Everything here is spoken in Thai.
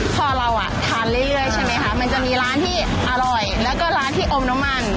พอเราอ่ะทานเรื่อยใช่ไหมคะมันจะมีร้านที่อร่อยแล้วก็ร้านที่อมน้ำมัน